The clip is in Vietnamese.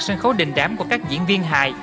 sân khấu đình đám của các diễn viên hài